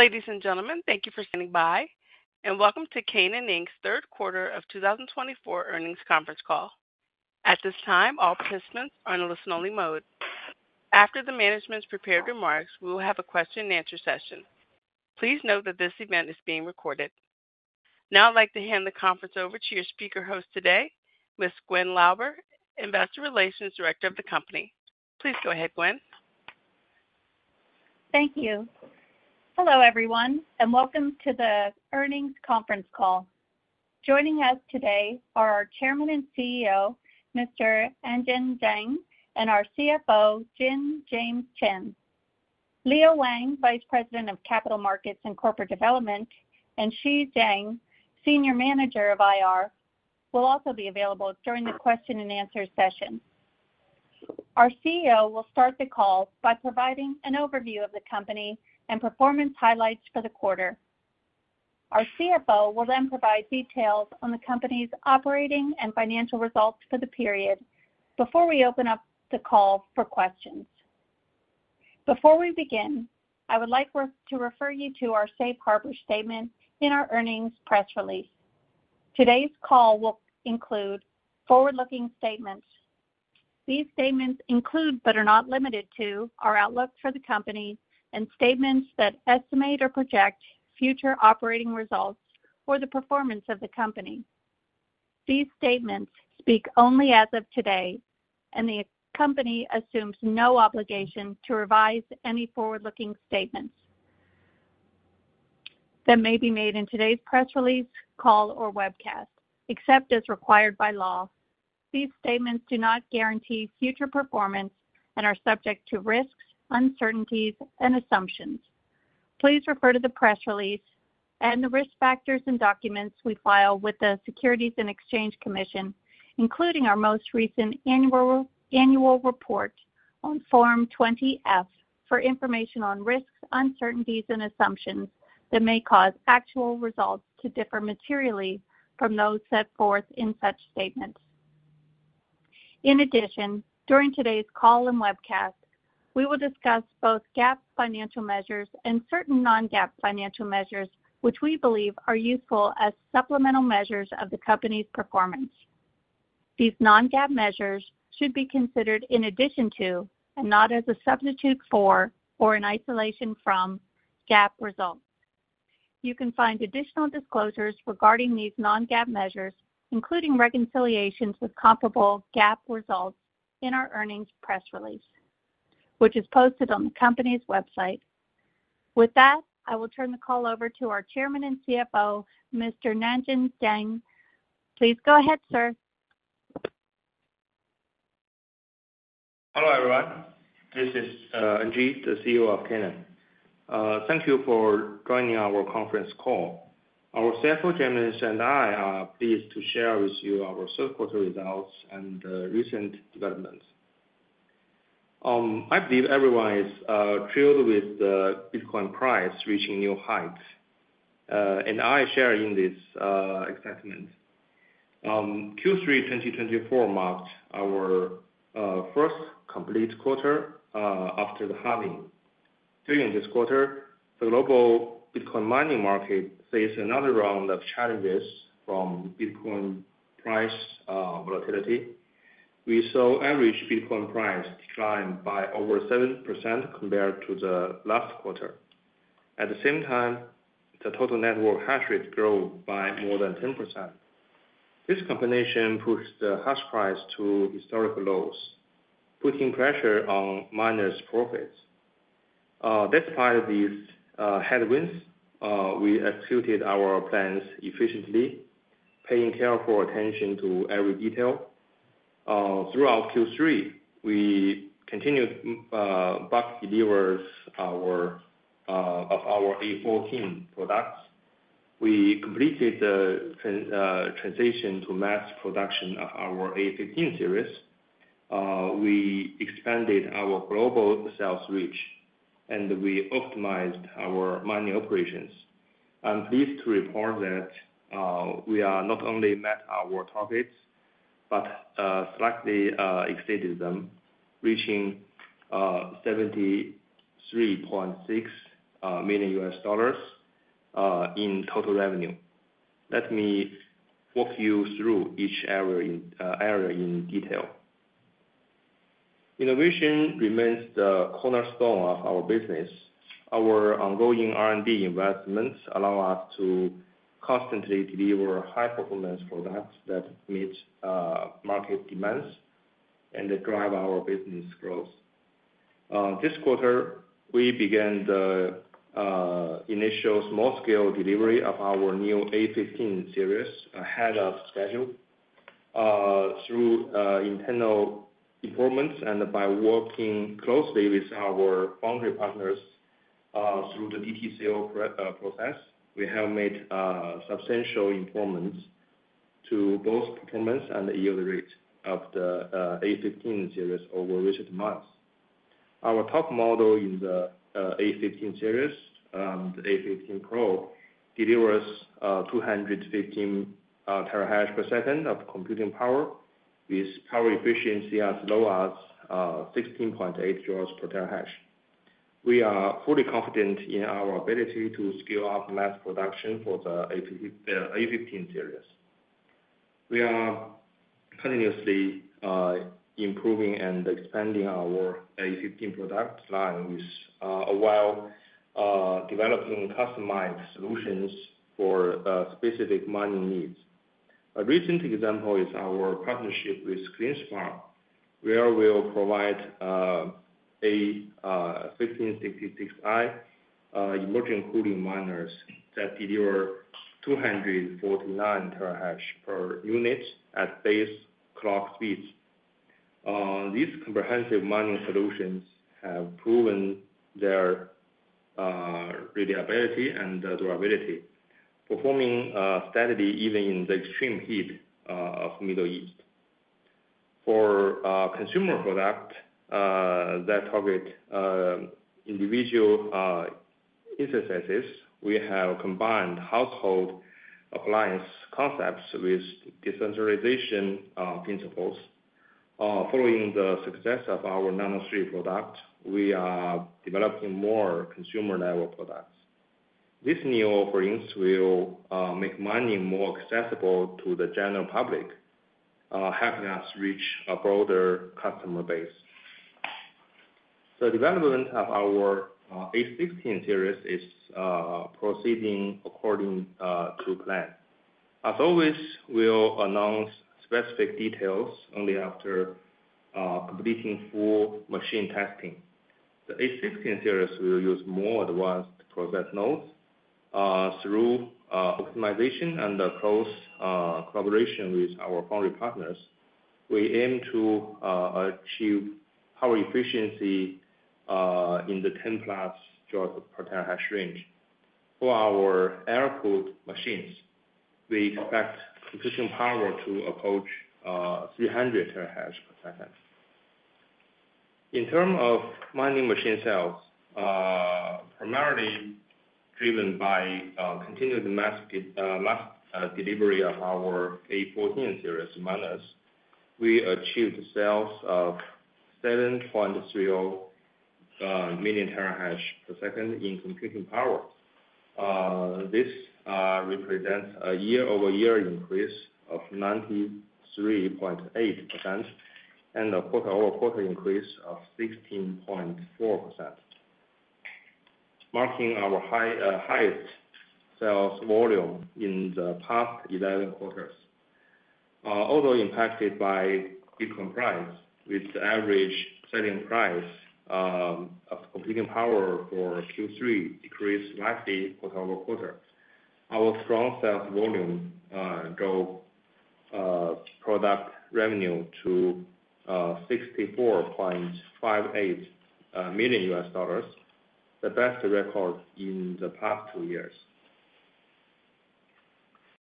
Ladies and gentlemen, thank you for standing by, and welcome to Canaan Inc.'s third quarter of 2024 earnings conference call. At this time, all participants are in a listen-only mode. After the management's prepared remarks, we will have a question-and-answer session. Please note that this event is being recorded. Now, I'd like to hand the conference over to your speaker host today, Ms. Gwyn Lauber, Investor Relations Director of the company. Please go ahead, Gwyn. Thank you. Hello, everyone, and welcome to the earnings conference call. Joining us today are our Chairman and CEO, Mr. Nangeng Zhang, and our CFO, James Jin Cheng. Liang Wang, Vice President of Capital Markets and Corporate Development, and Xi Zhang, Senior Manager of IR, will also be available during the question-and-answer session. Our CEO will start the call by providing an overview of the company and performance highlights for the quarter. Our CFO will then provide details on the company's operating and financial results for the period before we open up the call for questions. Before we begin, I would like to refer you to our Safe Harbor statement in our earnings press release. Today's call will include forward-looking statements. These statements include, but are not limited to, our outlook for the company and statements that estimate or project future operating results or the performance of the company. These statements speak only as of today, and the company assumes no obligation to revise any forward-looking statements that may be made in today's press release, call, or webcast, except as required by law. These statements do not guarantee future performance and are subject to risks, uncertainties, and assumptions. Please refer to the press release and the risk factors and documents we file with the Securities and Exchange Commission, including our most recent annual report on Form 20-F, for information on risks, uncertainties, and assumptions that may cause actual results to differ materially from those set forth in such statements. In addition, during today's call and webcast, we will discuss both GAAP financial measures and certain non-GAAP financial measures, which we believe are useful as supplemental measures of the company's performance. These Non-GAAP measures should be considered in addition to, and not as a substitute for, or in isolation from, GAAP results. You can find additional disclosures regarding these Non-GAAP measures, including reconciliations with comparable GAAP results, in our earnings press release, which is posted on the company's website. With that, I will turn the call over to our Chairman and CFO, Mr. Nangeng Zhang. Please go ahead, sir. Hello, everyone. This is Nangeng, the CEO of Canaan. Thank you for joining our conference call. Our CFO, James, and I are pleased to share with you our third quarter results and recent developments. I believe everyone is thrilled with the Bitcoin price reaching new heights, and I share in this excitement. Q3 2024 marked our first complete quarter after the halving. During this quarter, the global Bitcoin mining market faced another round of challenges from Bitcoin price volatility. We saw average Bitcoin price decline by over 7% compared to the last quarter. At the same time, the total network hash rate grew by more than 10%. This combination pushed the hash price to historical lows, putting pressure on miners' profits. Despite these headwinds, we executed our plans efficiently, paying careful attention to every detail. Throughout Q3, we continued backlog delivery of our A14 products. We completed the transition to mass production of our A15 series. We expanded our global sales reach, and we optimized our mining operations. I'm pleased to report that we have not only met our targets but slightly exceeded them, reaching $73.6 million in total revenue. Let me walk you through each area in detail. Innovation remains the cornerstone of our business. Our ongoing R&D investments allow us to constantly deliver high-performance products that meet market demands and drive our business growth. This quarter, we began the initial small-scale delivery of our new A15 series ahead of schedule through internal improvements and by working closely with our foundry partners through the DTCO process. We have made substantial improvements to both performance and yield rate of the A15 series over recent months. Our top model in the A15 series, the A15 Pro, delivers 215 TH/s of computing power, with power efficiency as low as 16.8 joules per terahash. We are fully confident in our ability to scale up mass production for the A15 series. We are continuously improving and expanding our A15 product line while developing customized solutions for specific mining needs. A recent example is our partnership with CleanSpark, where we will provide A1566I immersion cooling miners that deliver 249 terahash per unit at base clock speeds. These comprehensive mining solutions have proven their reliability and durability, performing steadily even in the extreme heat of the Middle East. For consumer products that target individual instances, we have combined household appliance concepts with decentralization principles. Following the success of our Nano 3 product, we are developing more consumer-level products. This new offering will make mining more accessible to the general public, helping us reach a broader customer base. The development of our A16 series is proceeding according to plan. As always, we'll announce specific details only after completing full machine testing. The A16 series will use more advanced process nodes through optimization and close collaboration with our foundry partners. We aim to achieve power efficiency in the 10+ joules per terahash range. For our air-cooled machines, we expect computing power to approach 300 TH/s. In terms of mining machine sales, primarily driven by continued mass delivery of our A14 series miners, we achieved sales of 7.30 million TH/s in computing power. This represents a year-over-year increase of 93.8% and a quarter-over-quarter increase of 16.4%, marking our highest sales volume in the past 11 quarters. Although impacted by Bitcoin price, with the average selling price of computing power for Q3 decreased slightly quarter-over-quarter, our strong sales volume drove product revenue to $64.58 million U.S. dollars, the best record in the past two years.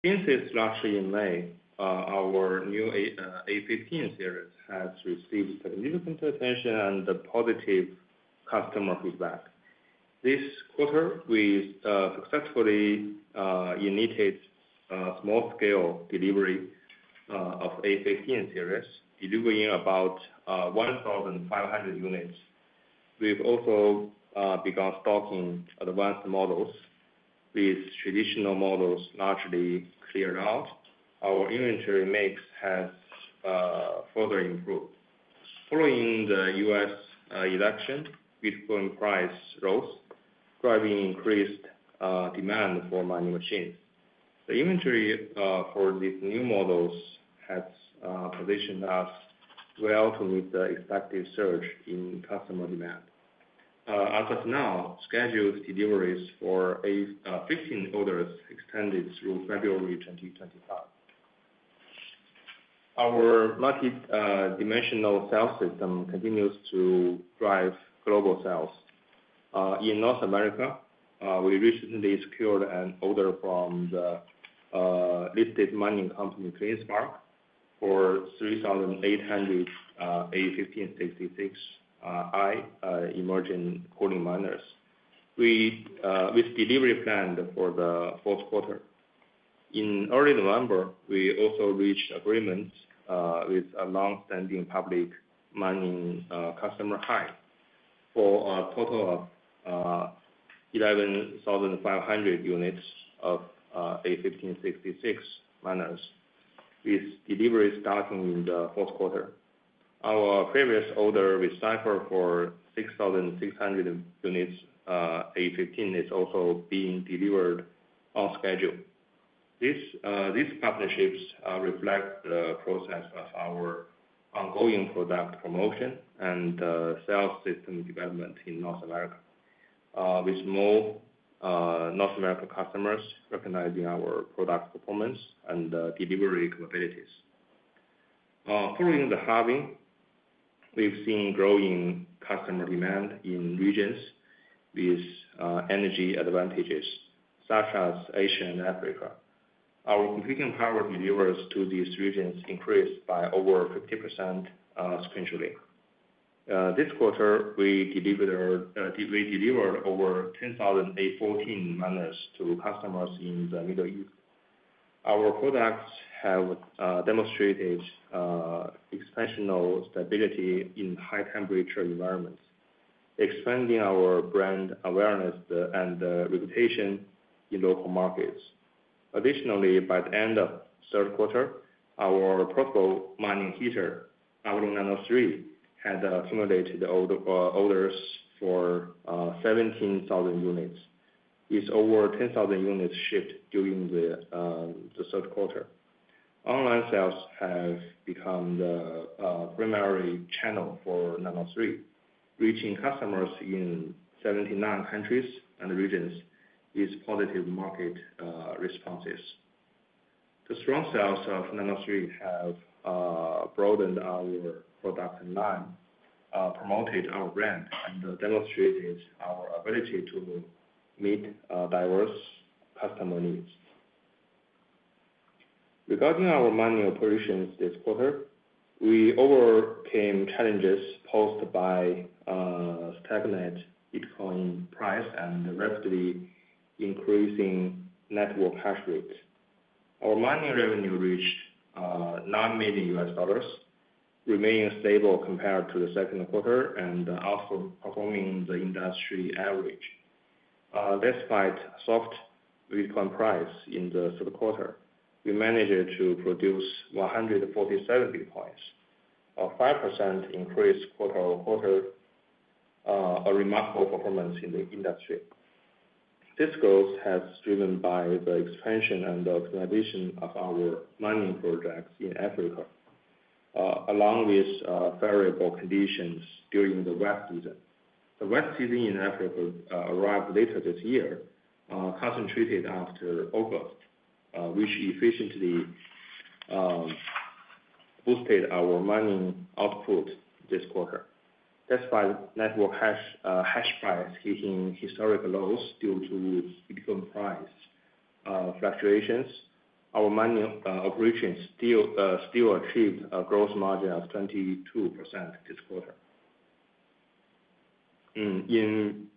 Since its launch in May, our new A15 series has received significant attention and positive customer feedback. This quarter, we successfully initiated small-scale delivery of A15 series, delivering about 1,500 units. We've also begun stocking advanced models, with traditional models largely cleared out. Our inventory mix has further improved. Following the U.S. election, Bitcoin price rose, driving increased demand for mining machines. The inventory for these new models has positioned us well to meet the expected surge in customer demand. As of now, scheduled deliveries for A15 orders extended through February 2025. Our multi-dimensional sales system continues to drive global sales. In North America, we recently secured an order from the listed mining company CleanSpark for 3,800 A1566I immersion cooling miners, with delivery planned for the fourth quarter. In early November, we also reached agreements with a long-standing public mining customer HIVE for a total of 11,500 units of A1566 miners, with deliveries starting in the fourth quarter. Our previous order with Cipher for 6,600 units A15 is also being delivered on schedule. These partnerships reflect the process of our ongoing product promotion and sales system development in North America, with more North American customers recognizing our product performance and delivery capabilities. Following the halving, we've seen growing customer demand in regions with energy advantages, such as Asia and Africa. Our computing power deliveries to these regions increased by over 50% sequentially. This quarter, we delivered over 10,000 A14 miners to customers in the Middle East. Our products have demonstrated exceptional stability in high-temperature environments, expanding our brand awareness and reputation in local markets. Additionally, by the end of the third quarter, our portable mining heater, Avalon Nano 3, had accumulated orders for 17,000 units, with over 10,000 units shipped during the third quarter. Online sales have become the primary channel for Nano 3, reaching customers in 79 countries and regions with positive market responses. The strong sales of Nano 3 have broadened our product line, promoted our brand, and demonstrated our ability to meet diverse customer needs. Regarding our mining operations this quarter, we overcame challenges posed by stagnant Bitcoin price and rapidly increasing network hash rate. Our mining revenue reached $9 million, remaining stable compared to the second quarter and outperforming the industry average. Despite soft Bitcoin price in the third quarter, we managed to produce 147 Bitcoins, a 5% increase quarter-over-quarter, a remarkable performance in the industry. This growth has been driven by the expansion and optimization of our mining projects in Africa, along with favorable conditions during the wet season. The wet season in Africa arrived later this year, concentrated after August, which efficiently boosted our mining output this quarter. Despite network hash price hitting historical lows due to Bitcoin price fluctuations, our mining operations still achieved a gross margin of 22% this quarter. In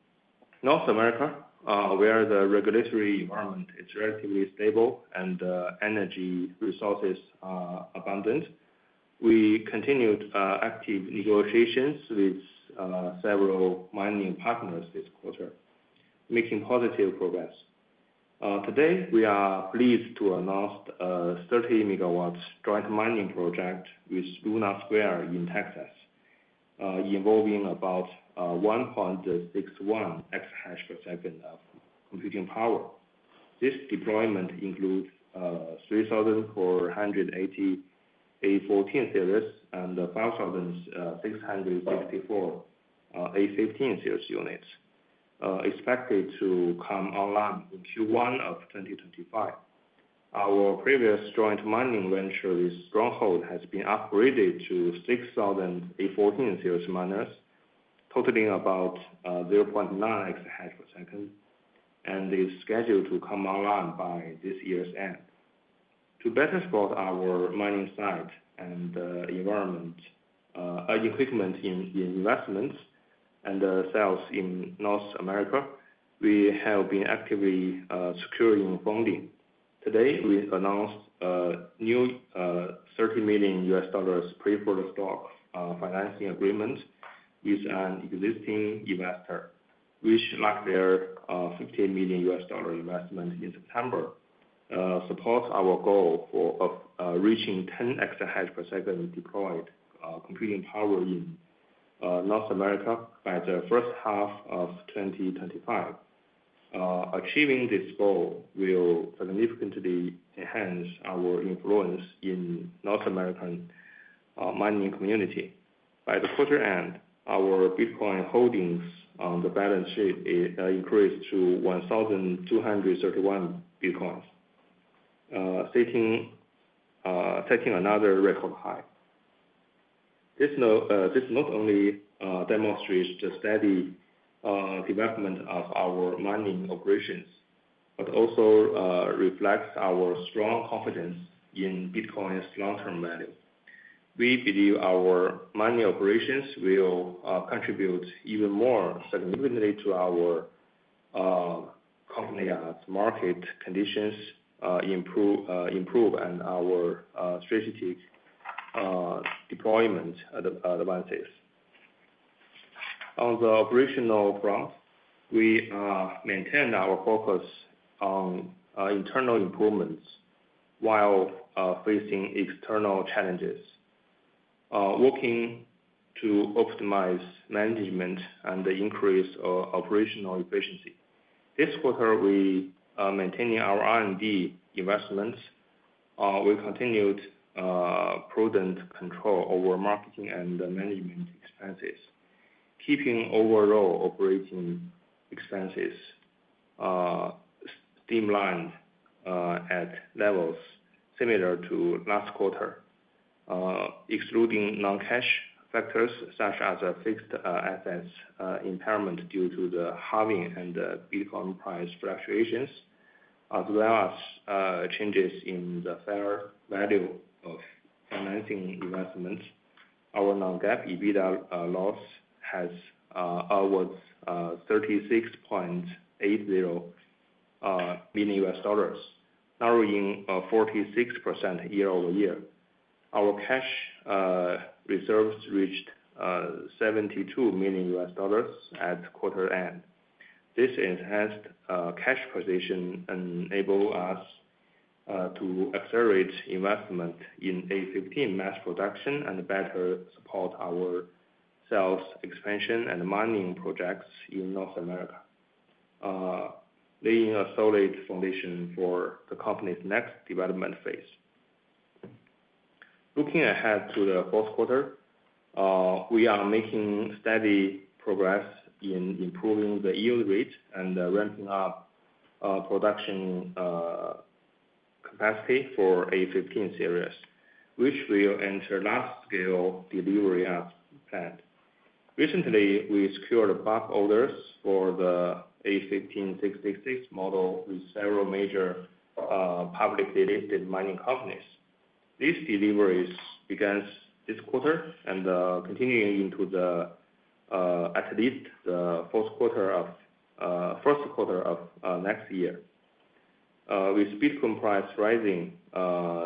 North America, where the regulatory environment is relatively stable and energy resources abundant, we continued active negotiations with several mining partners this quarter, making positive progress. Today, we are pleased to announce a 30-megawatt joint mining project with Luna Squares in Texas, involving about 1.61 EH/s of computing power. This deployment includes 3,480 A14 series and 5,664 A15 series units, expected to come online in Q1 of 2025. Our previous joint mining venture with Stronghold has been upgraded to 6,000 A14 series miners, totaling about 0.9 EH/s, and is scheduled to come online by this year's end. To better support our mining site and environment, equipment investments, and sales in North America, we have been actively securing funding. Today, we announced a new $30 million preferred stock financing agreement with an existing investor, which, like their $15 million investment in September, supports our goal of reaching 10 EH/s deployed computing power in North America by the first half of 2025. Achieving this goal will significantly enhance our influence in the North American mining community. By the quarter end, our Bitcoin holdings on the balance sheet increased to 1,231 Bitcoins, setting another record high. This not only demonstrates the steady development of our mining operations, but also reflects our strong confidence in Bitcoin's long-term value. We believe our mining operations will contribute even more significantly to our company's market conditions improve and our strategic deployment advances. On the operational front, we maintain our focus on internal improvements while facing external challenges, working to optimize management and increase operational efficiency. This quarter, we maintained our R&D investments. We continued prudent control over marketing and management expenses, keeping overall operating expenses streamlined at levels similar to last quarter, excluding non-cash factors such as fixed assets impairment due to the halving and Bitcoin price fluctuations, as well as changes in the fair value of financing investments. Our non-GAAP EBITDA loss was $36.80 million, narrowing 46% year-over-year. Our cash reserves reached $72 million at quarter end. This enhanced cash position enables us to accelerate investment in A15 mass production and better support our sales expansion and mining projects in North America, laying a solid foundation for the company's next development phase. Looking ahead to the fourth quarter, we are making steady progress in improving the yield rate and ramping up production capacity for A15 series, which will enter mass-scale delivery as planned. Recently, we secured bulk orders for the A1566 model with several major publicly listed mining companies. These deliveries began this quarter and are continuing into at least the first quarter of next year. With Bitcoin price rising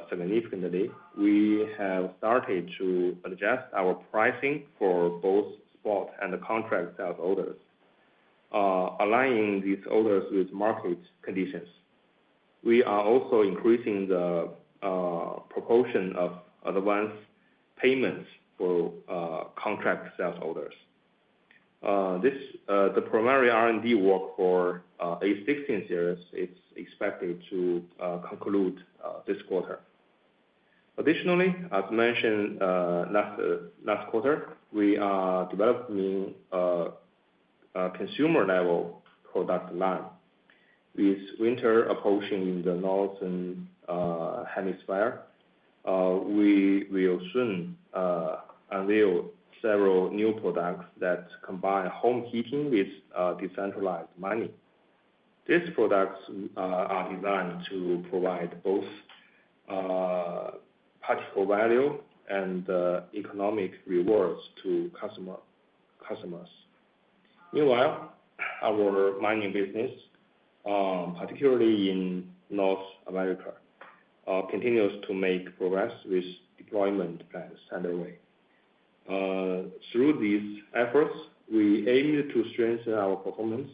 significantly, we have started to adjust our pricing for both spot and contract sales orders, aligning these orders with market conditions. We are also increasing the proportion of advance payments for contract sales orders. The primary R&D work for A16 series is expected to conclude this quarter. Additionally, as mentioned last quarter, we are developing a consumer-level product line. With winter approaching in the northern hemisphere, we will soon unveil several new products that combine home heating with decentralized mining. These products are designed to provide both practical value and economic rewards to customers. Meanwhile, our mining business, particularly in North America, continues to make progress with deployment plans underway. Through these efforts, we aim to strengthen our performance,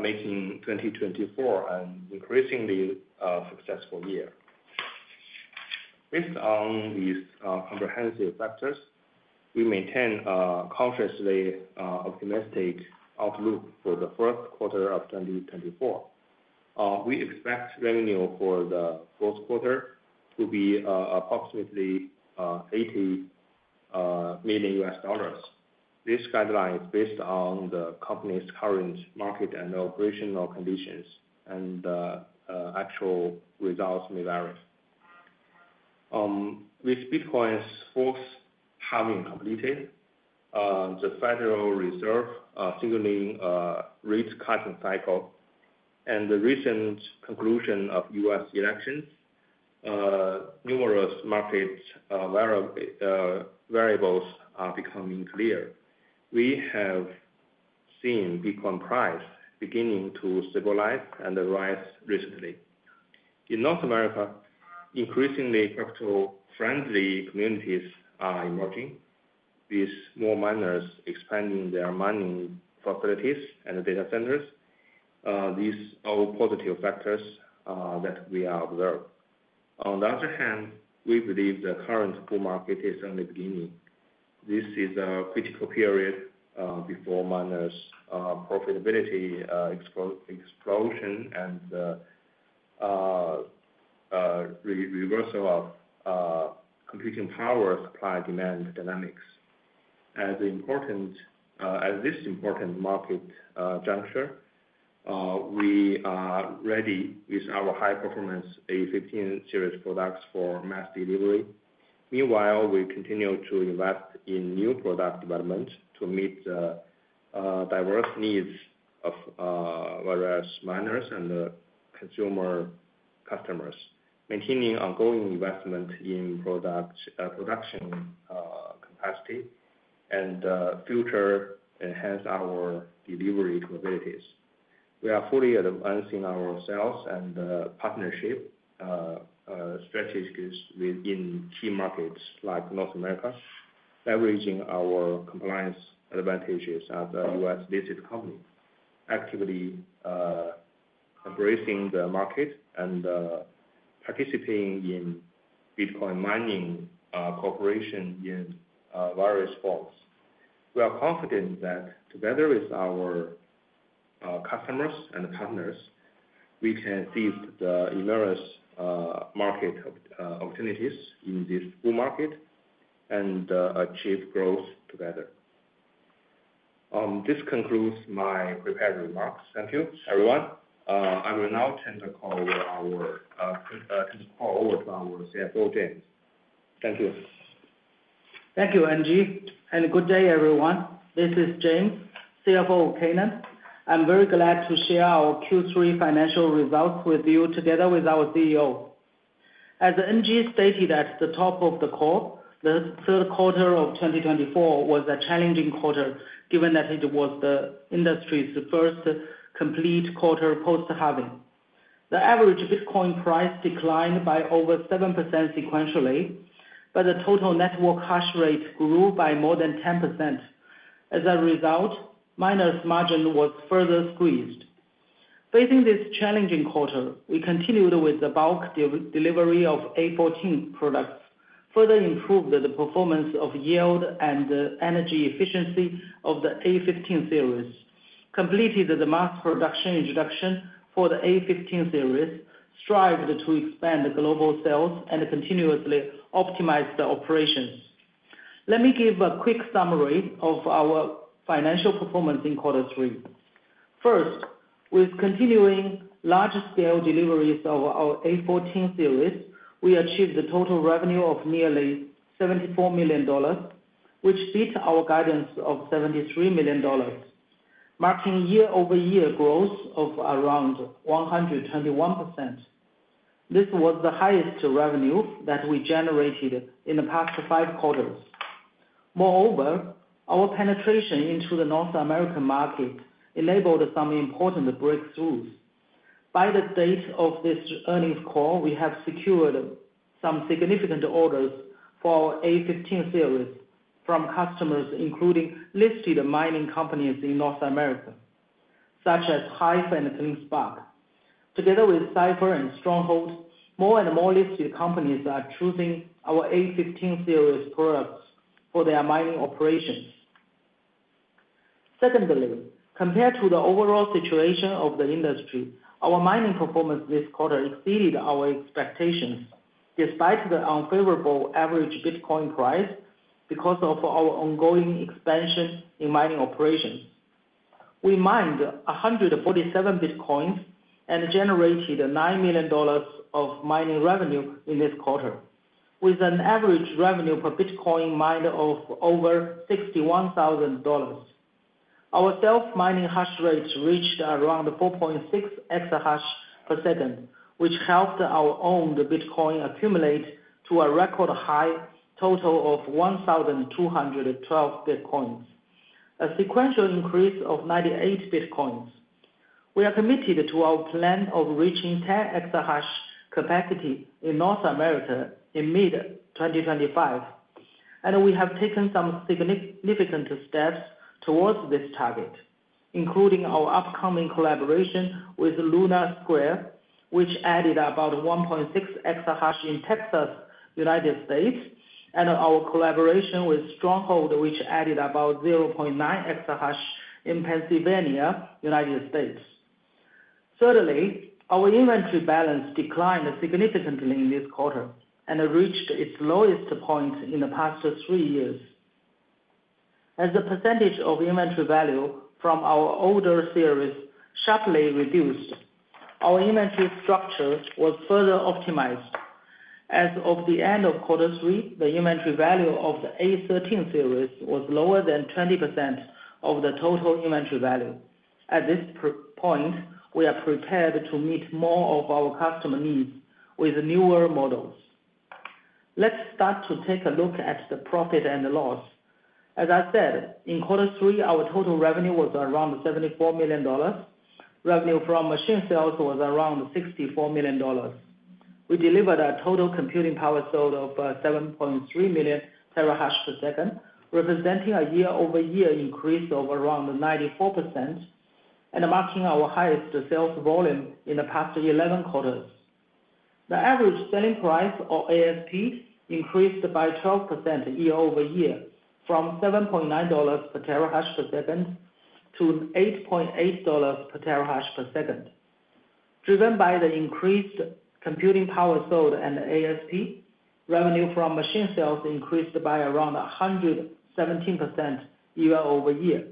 making 2024 an increasingly successful year. Based on these comprehensive factors, we maintain a cautiously optimistic outlook for the first quarter of 2024. We expect revenue for the fourth quarter to be approximately $80 million. This guideline is based on the company's current market and operational conditions, and actual results may vary. With Bitcoin's fourth halving completed, the Federal Reserve signaling a rate-cutting cycle, and the recent conclusion of U.S. elections, numerous market variables are becoming clear. We have seen Bitcoin price beginning to stabilize and rise recently. In North America, increasingly crypto-friendly communities are emerging, with more miners expanding their mining facilities and data centers. These are all positive factors that we observe. On the other hand, we believe the current bull market is only beginning. This is a critical period before miners' profitability explosion and reversal of computing power supply-demand dynamics. At this important market juncture, we are ready with our high-performance A15 series products for mass delivery. Meanwhile, we continue to invest in new product development to meet the diverse needs of various miners and consumer customers, maintaining ongoing investment in production capacity and future enhanced delivery capabilities. We are fully advancing our sales and partnership strategies within key markets like North America, leveraging our compliance advantages as a U.S.-listed company, actively embracing the market, and participating in Bitcoin mining cooperation in various forms. We are confident that together with our customers and partners, we can seize the numerous market opportunities in this bull market and achieve growth together. This concludes my prepared remarks. Thank you, everyone. I will now turn the call over to our CFO, James. Thank you. Thank you, NG, and good day, everyone. This is James, CFO of Canaan. I'm very glad to share our Q3 financial results with you together with our CEO. As NG stated at the top of the call, the third quarter of 2024 was a challenging quarter, given that it was the industry's first complete quarter post-halving. The average Bitcoin price declined by over 7% sequentially, but the total network hash rate grew by more than 10%. As a result, miners' margin was further squeezed. Facing this challenging quarter, we continued with the bulk delivery of A14 products, further improved the performance of yield and energy efficiency of the A15 series, completed the mass production introduction for the A15 series, strived to expand global sales, and continuously optimized the operations. Let me give a quick summary of our financial performance in quarter three. First, with continuing large-scale deliveries of our A14 series, we achieved a total revenue of nearly $74 million, which beat our guidance of $73 million, marking year-over-year growth of around 121%. This was the highest revenue that we generated in the past five quarters. Moreover, our penetration into the North American market enabled some important breakthroughs. By the date of this earnings call, we have secured some significant orders for our A15 series from customers, including listed mining companies in North America, such as HIVE and CleanSpark. Together with Cipher and Stronghold, more and more listed companies are choosing our A15 series products for their mining operations. Secondly, compared to the overall situation of the industry, our mining performance this quarter exceeded our expectations, despite the unfavorable average Bitcoin price because of our ongoing expansion in mining operations. We mined 147 Bitcoins and generated $9 million of mining revenue in this quarter, with an average revenue per Bitcoin mined of over $61,000. Our self-mining hash rate reached around 4.6 EH/s, which helped our owned Bitcoin accumulate to a record high total of 1,212 Bitcoins, a sequential increase of 98 Bitcoins. We are committed to our plan of reaching 10 exahash capacity in North America in mid-2025, and we have taken some significant steps towards this target, including our upcoming collaboration with Luna Squares, which added about 1.6 exahash in Texas, United States, and our collaboration with Stronghold, which added about 0.9 exahash in Pennsylvania, United States. Thirdly, our inventory balance declined significantly in this quarter and reached its lowest point in the past three years. As the percentage of inventory value from our older series sharply reduced, our inventory structure was further optimized. As of the end of quarter three, the inventory value of the A13 series was lower than 20% of the total inventory value. At this point, we are prepared to meet more of our customer needs with newer models. Let's start to take a look at the profit and the loss. As I said, in quarter three, our total revenue was around $74 million. Revenue from machine sales was around $64 million. We delivered a total computing power sold of 7.3 million TH/s, representing a year-over-year increase of around 94% and marking our highest sales volume in the past 11 quarters. The average selling price, or ASP, increased by 12% year-over-year from $7.9 per TH/s to $8.8 per TH/s. Driven by the increased computing power sold and ASP, revenue from machine sales increased by around 117% year-over-year.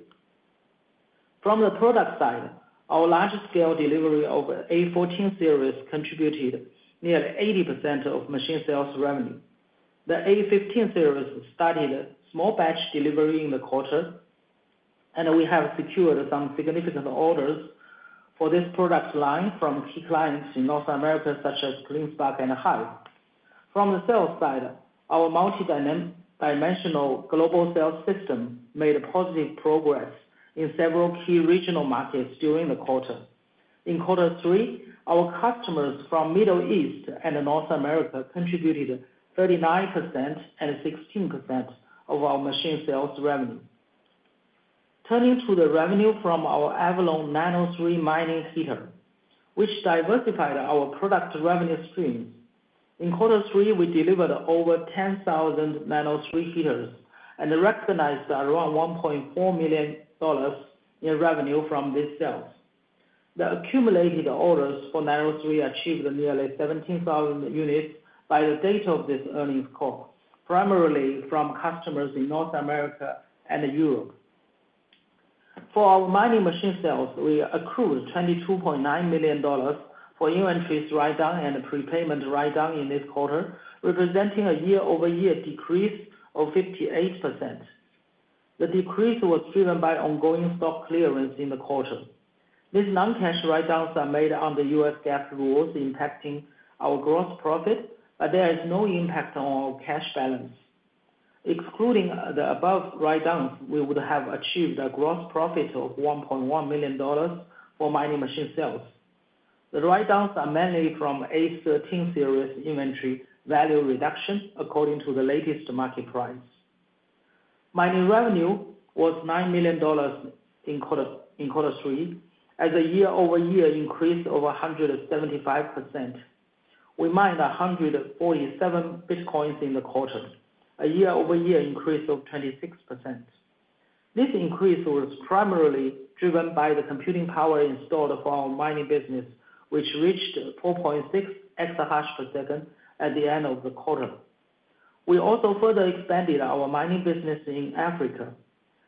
From the product side, our large-scale delivery of the A14 series contributed nearly 80% of machine sales revenue. The A15 series started small batch delivery in the quarter, and we have secured some significant orders for this product line from key clients in North America, such as CleanSpark and HIVE. From the sales side, our multidimensional global sales system made positive progress in several key regional markets during the quarter. In quarter three, our customers from the Middle East and North America contributed 39% and 16% of our machine sales revenue. Turning to the revenue from our Avalon Nano 3 mining heater, which diversified our product revenue streams, in quarter three, we delivered over 10,000 Nano 3 heaters and recognized around $1.4 million in revenue from these sales. The accumulated orders for Nano 3 achieved nearly 17,000 units by the date of this earnings call, primarily from customers in North America and Europe. For our mining machine sales, we accrued $22.9 million for inventory write-down and prepayment write-down in this quarter, representing a year-over-year decrease of 58%. The decrease was driven by ongoing stock clearance in the quarter. These non-cash write-downs are made under U.S. GAAP rules, impacting our gross profit, but there is no impact on our cash balance. Excluding the above write-downs, we would have achieved a gross profit of $1.1 million for mining machine sales. The write-downs are mainly from A13 series inventory value reduction according to the latest market price. Mining revenue was $9 million in quarter three, as a year-over-year increase of 175%. We mined 147 Bitcoins in the quarter, a year-over-year increase of 26%. This increase was primarily driven by the computing power installed for our mining business, which reached 4.6 EH/s at the end of the quarter. We also further expanded our mining business in Africa,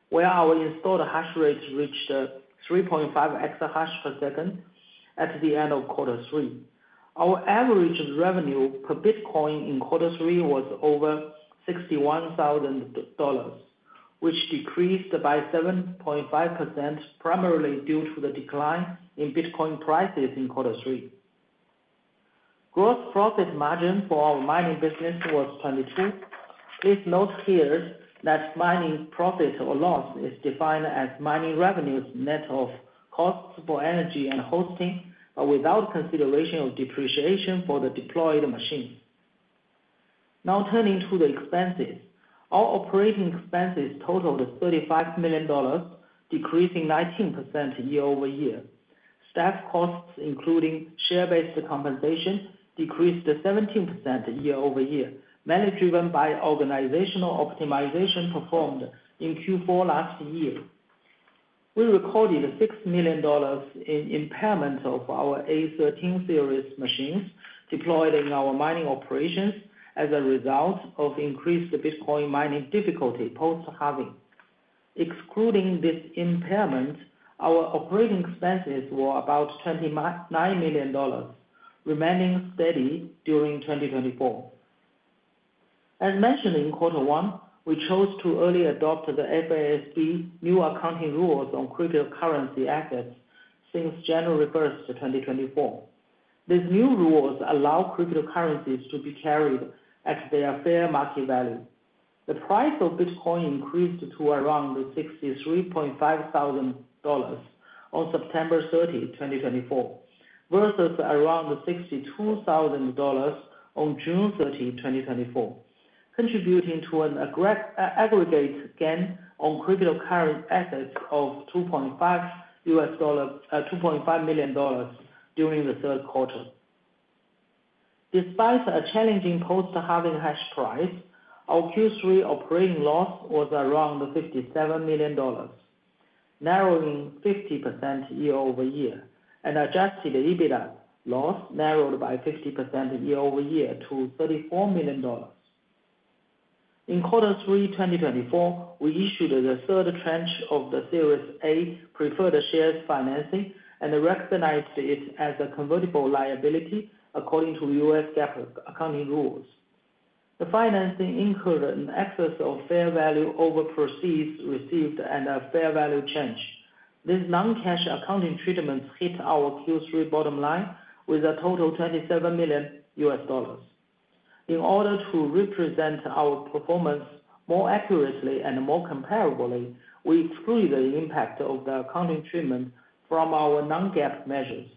where our installed hash rate reached 3.5 EH/s at the end of quarter three. Our average revenue per Bitcoin in quarter three was over $61,000, which decreased by 7.5%, primarily due to the decline in Bitcoin prices in quarter three. Gross profit margin for our mining business was 22%. Please note here that mining profit or loss is defined as mining revenues net of costs for energy and hosting, but without consideration of depreciation for the deployed machines. Now turning to the expenses, our operating expenses totaled $35 million, decreasing 19% year-over-year. Staff costs, including share-based compensation, decreased 17% year-over-year, mainly driven by organizational optimization performed in Q4 last year. We recorded $6 million in impairment of our A13 series machines deployed in our mining operations as a result of increased Bitcoin mining difficulty post-halving. Excluding this impairment, our operating expenses were about $29 million, remaining steady during 2024. As mentioned in quarter one, we chose to early adopt the FASB new accounting rules on cryptocurrency assets since January 1, 2024. These new rules allow cryptocurrencies to be carried at their fair market value. The price of Bitcoin increased to around $63,500 on September 30, 2024, versus around $62,000 on June 30, 2024, contributing to an aggregate gain on cryptocurrency assets of $2.5 million during the third quarter. Despite a challenging post-halving hash price, our Q3 operating loss was around $57 million, narrowing 50% year-over-year, and adjusted EBITDA loss narrowed by 50% year-over-year to $34 million. In quarter three 2024, we issued the third tranche of the Series A preferred shares financing and recognized it as a convertible liability according to U.S. GAAP accounting rules. The financing incurred an excess of fair value over proceeds received and a fair value change. These non-cash accounting treatments hit our Q3 bottom line with a total of $27 million. In order to represent our performance more accurately and more comparably, we excluded the impact of the accounting treatment from our non-GAAP measures.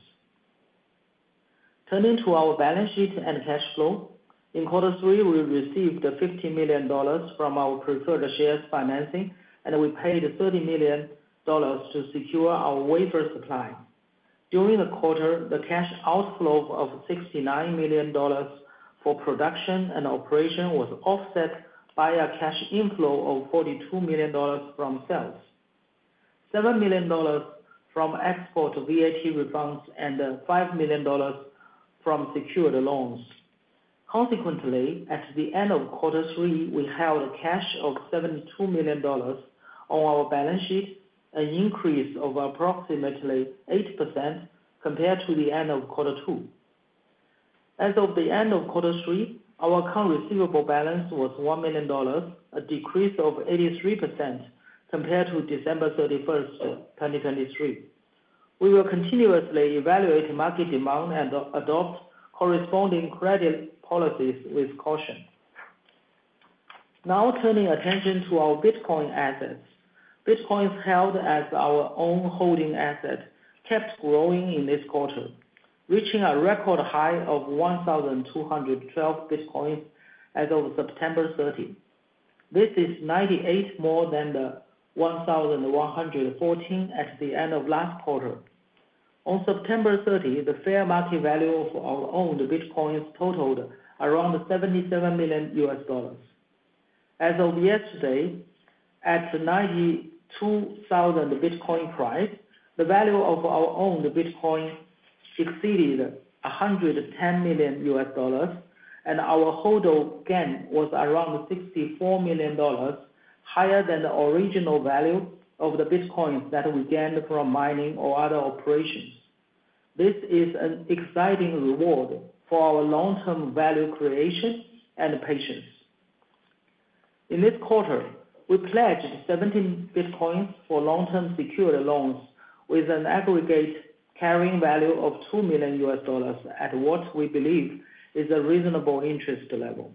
Turning to our balance sheet and cash flow, in quarter three, we received $50 million from our preferred shares financing, and we paid $30 million to secure our wafer supply. During the quarter, the cash outflow of $69 million for production and operation was offset by a cash inflow of $42 million from sales, $7 million from export VAT refunds, and $5 million from secured loans. Consequently, at the end of quarter three, we held a cash of $72 million on our balance sheet, an increase of approximately 8% compared to the end of quarter two. As of the end of quarter three, our current receivable balance was $1 million, a decrease of 83% compared to December 31, 2023. We will continuously evaluate market demand and adopt corresponding credit policies with caution. Now turning attention to our Bitcoin assets. Bitcoins held as our own holding asset kept growing in this quarter, reaching a record high of 1,212 Bitcoins as of September 30. This is 98 more than the 1,114 at the end of last quarter. On September 30, the fair market value of our owned Bitcoins totaled around $77 million. As of yesterday, at $92,000 Bitcoin price, the value of our owned Bitcoin exceeded $110 million, and our unrealized gain was around $64 million, higher than the original value of the Bitcoins that we gained from mining or other operations. This is an exciting reward for our long-term value creation and patience. In this quarter, we pledged 17 Bitcoins for long-term secured loans with an aggregate carrying value of $2 million at what we believe is a reasonable interest level.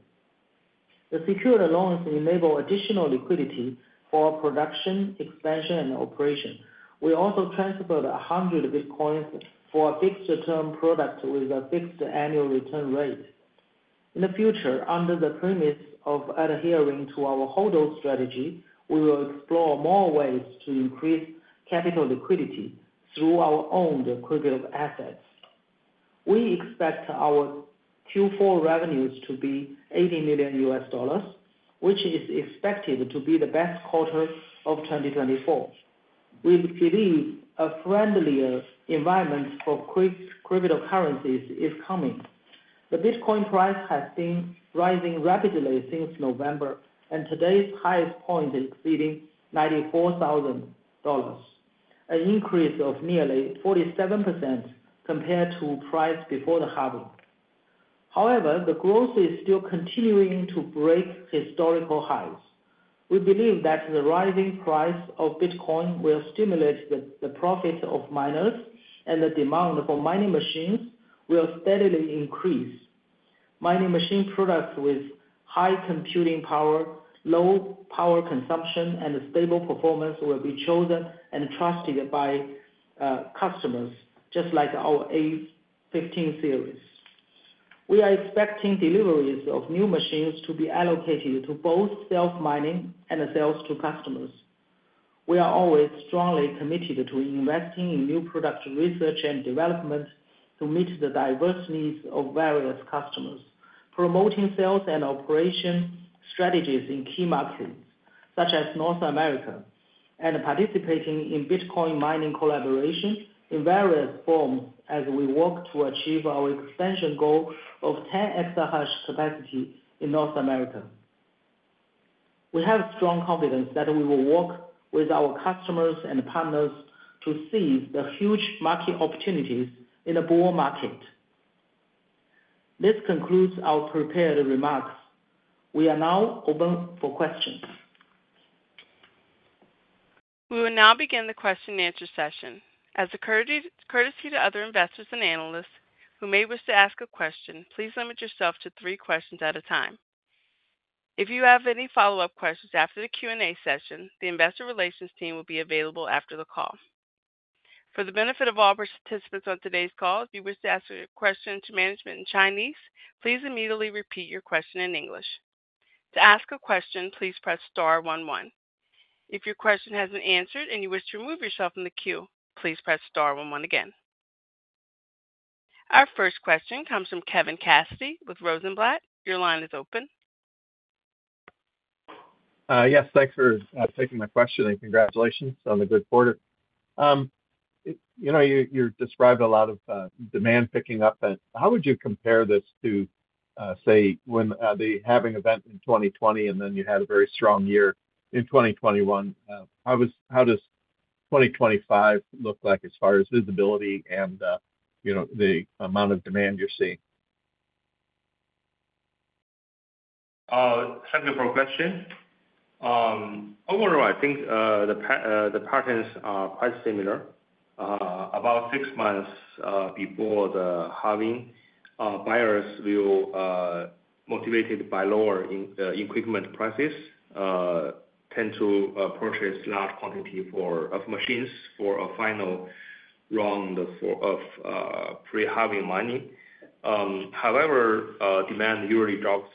The secured loans enable additional liquidity for production, expansion, and operation. We also transferred 100 Bitcoins for a fixed-term product with a fixed annual return rate. In the future, under the premise of adhering to our HODL strategy, we will explore more ways to increase capital liquidity through our owned crypto assets. We expect our Q4 revenues to be $80 million, which is expected to be the best quarter of 2024. We believe a friendlier environment for cryptocurrencies is coming. The Bitcoin price has been rising rapidly since November, and today's highest point is exceeding $94,000, an increase of nearly 47% compared to price before the halving. However, the growth is still continuing to break historical highs. We believe that the rising price of Bitcoin will stimulate the profits of miners, and the demand for mining machines will steadily increase. Mining machine products with high computing power, low power consumption, and stable performance will be chosen and trusted by customers, just like our A15 series. We are expecting deliveries of new machines to be allocated to both self-mining and sales to customers. We are always strongly committed to investing in new product research and development to meet the diverse needs of various customers, promoting sales and operation strategies in key markets such as North America, and participating in Bitcoin mining collaboration in various forms as we work to achieve our expansion goal of 10 exahash capacity in North America. We have strong confidence that we will work with our customers and partners to seize the huge market opportunities in a bull market. This concludes our prepared remarks. We are now open for questions. We will now begin the question-and-answer session. As a courtesy to other investors and analysts who may wish to ask a question, please limit yourself to three questions at a time. If you have any follow-up questions after the Q&A session, the investor relations team will be available after the call. For the benefit of all participants on today's call, if you wish to ask a question to management in Chinese, please immediately repeat your question in English. To ask a question, please press star one one. If your question hasn't answered and you wish to remove yourself from the queue, please press star one one again. Our first question comes from Kevin Cassidy with Rosenblatt. Your line is open. Yes, thanks for taking my question and congratulations on the good quarter. You described a lot of demand picking up. How would you compare this to, say, when the halving event in 2020 and then you had a very strong year in 2021? How does 2025 look like as far as visibility and the amount of demand you're seeing? Thank you for the question. Overall, I think the patterns are quite similar. About six months before the halving, buyers, motivated by lower equipment prices, tend to purchase large quantities of machines for a final round of pre-halving mining. However, demand usually drops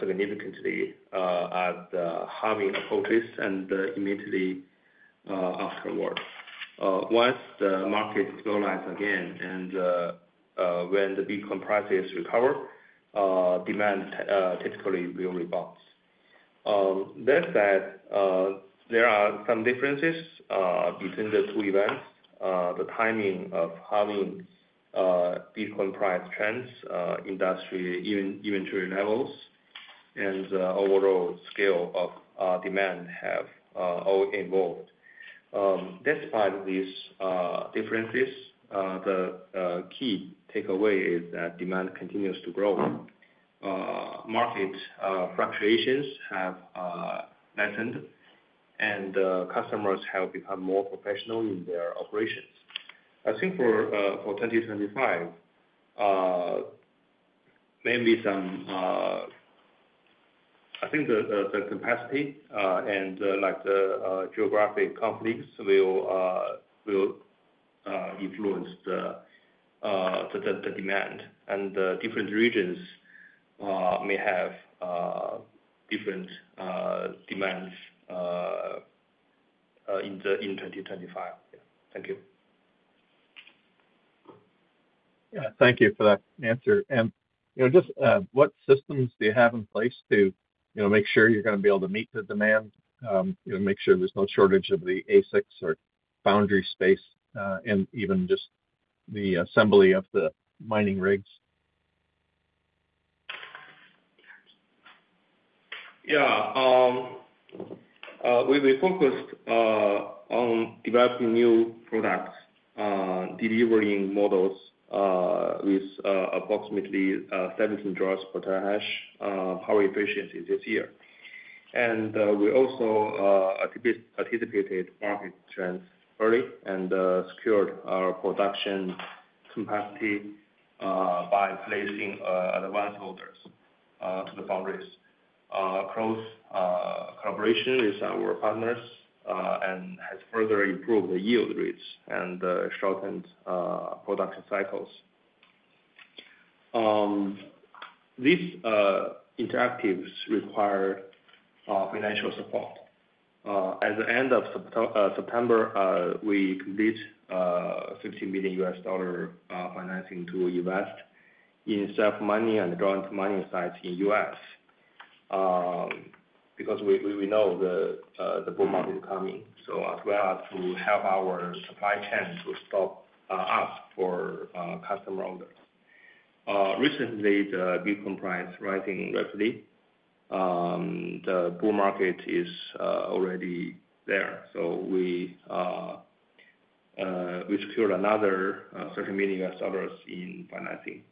significantly as the halving approaches and immediately afterward. Once the market stabilizes again and when the Bitcoin prices recover, demand typically will rebound. That said, there are some differences between the two events. The timing of the halving, Bitcoin price trends, industry inventory levels, and overall scale of demand have all evolved. Despite these differences, the key takeaway is that demand continues to grow. Market fluctuations have lessened, and customers have become more professional in their operations. I think for 2025, the capacity and the geographic conflicts will influence the demand, and different regions may have different demands in 2025. Thank you. Yeah, thank you for that answer. Just what systems do you have in place to make sure you're going to be able to meet the demand, make sure there's no shortage of the ASICs or foundry space, and even just the assembly of the mining rigs? Yeah. We focused on developing new products, delivering models with approximately 17 joules per terahash power efficiency this year. We also anticipated market trends early and secured our production capacity by placing advance orders to the foundries. Close collaboration with our partners has further improved the yield rates and shortened production cycles. These initiatives required financial support. At the end of September, we completed $50 million financing to invest in self-mining and joint mining sites in the U.S. because we know the bull market is coming, so as well as to help our supply chain to step up for customer orders. Recently, the Bitcoin price is rising rapidly. The bull market is already there, so we secured another $30 million in financing.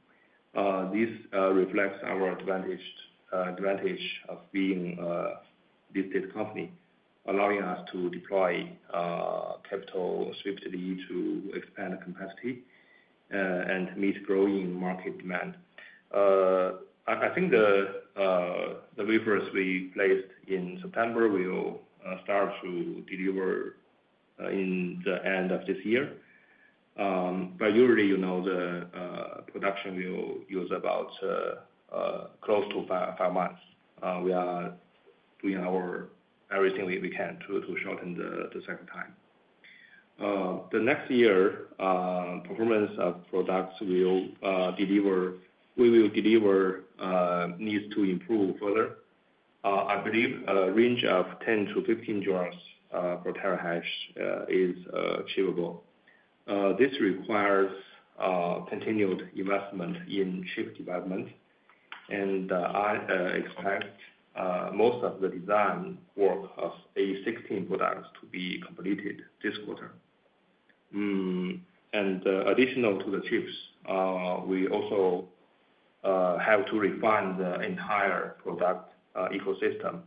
This reflects our advantage of being a listed company, allowing us to deploy capital swiftly to expand capacity and meet growing market demand. I think the wafers we placed in September will start to deliver in the end of this year. But usually, the production will use about close to five months. We are doing everything we can to shorten the lead time. The next year, performance of products we will deliver needs to improve further. I believe a range of 10-15 joules per terahash is achievable. This requires continued investment in chip development, and I expect most of the design work of A16 products to be completed this quarter, and in addition to the chips, we also have to refine the entire product ecosystem.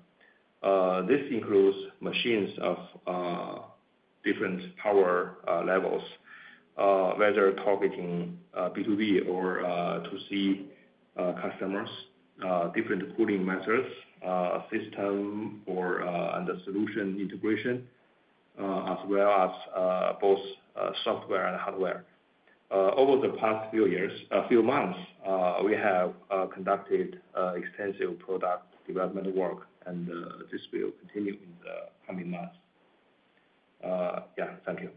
This includes machines of different power levels, whether targeting B2B or to B2C customers, different cooling methods, system or the solution integration, as well as both software and hardware. Over the past few months, we have conducted extensive product development work, and this will continue in the coming months. Yeah, thank you.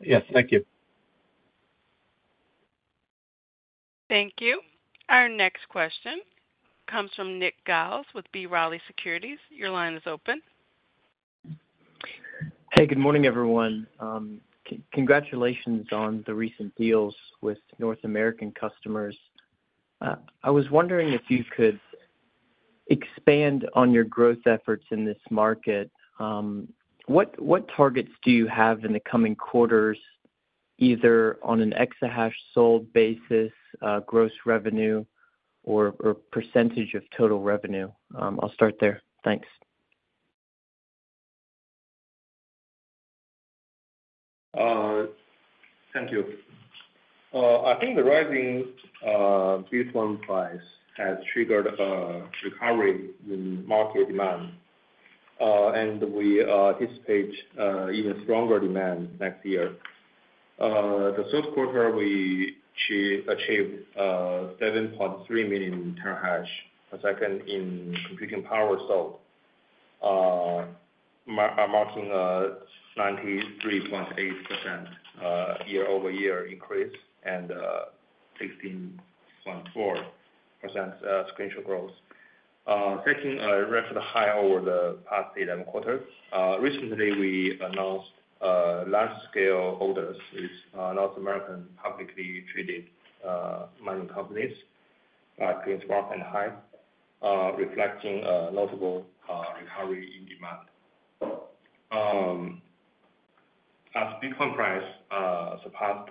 Yes, thank you. Thank you. Our next question comes from Nick Giles with B. Riley Securities. Your line is open. Hey, good morning, everyone. Congratulations on the recent deals with North American customers. I was wondering if you could expand on your growth efforts in this market. What targets do you have in the coming quarters, either on an exahash sold basis, gross revenue, or percentage of total revenue? I'll start there. Thanks. Thank you. I think the rising Bitcoin price has triggered a recovery in market demand, and we anticipate even stronger demand next year. The third quarter, we achieved 7.3 million TH/s in computing power sold, marking a 93.8% year-over-year increase and 16.4% market share growth. Taking a record high over the past 11 quarters, recently, we announced large-scale orders with North American publicly traded mining companies like CleanSpark and HIVE, reflecting a notable recovery in demand. As Bitcoin price surpassed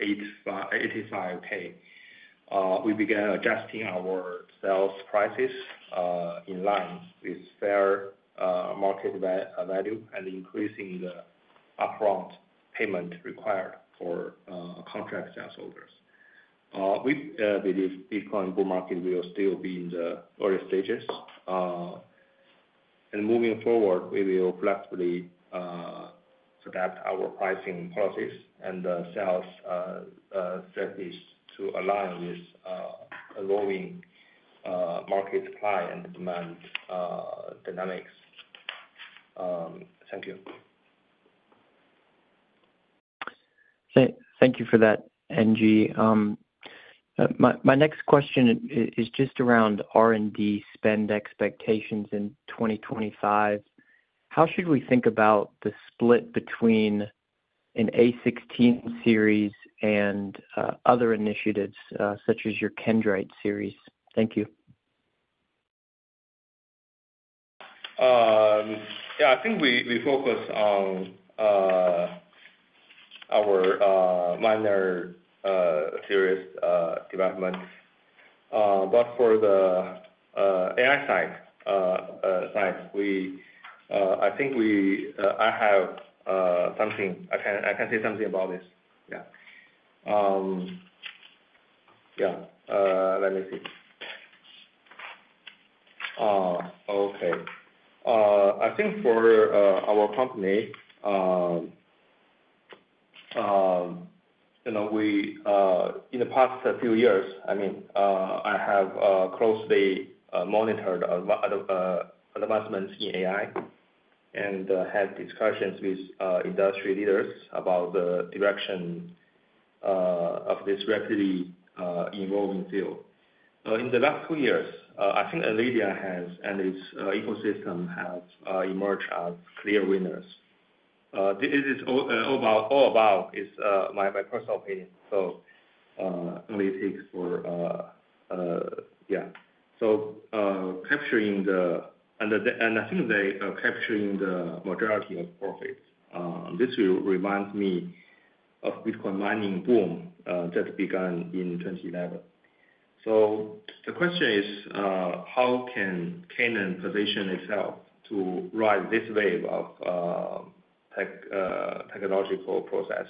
$85,000, we began adjusting our sales prices in line with fair market value and increasing the upfront payment required for contract sales orders. We believe Bitcoin bull market will still be in the early stages, and moving forward, we will flexibly adapt our pricing policies and sales strategies to align with evolving market supply and demand dynamics. Thank you. Thank you for that, NG. My next question is just around R&D spend expectations in 2025. How should we think about the split between an A16 series and other initiatives such as your Kendryte series? Thank you. Yeah, I think we focus on our miner series development. But for the AI side, I think I have something I can say something about this. Yeah. Yeah, let me see. Okay. I think for our company, in the past few years, I mean, I have closely monitored advancements in AI and had discussions with industry leaders about the direction of this rapidly evolving field. In the last two years, I think NVIDIA and its ecosystem have emerged as clear winners. This is all about is my personal opinion, so only takes for yeah. So capturing the and I think they are capturing the majority of profits. This reminds me of Bitcoin mining boom that began in 2011. The question is, how can Canaan position itself to ride this wave of technological progress,